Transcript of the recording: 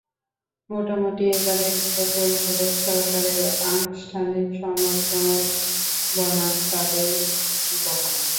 মোটামুটি এবারের নির্বাচন হলো সরকারের আনুষ্ঠানিক সমর্থক বনাম তাদের বিরোধী পক্ষ।